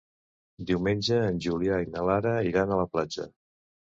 Diumenge en Julià i na Lara iran a la platja.